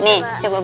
nih coba butet